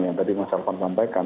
yang tadi mas elvan sampaikan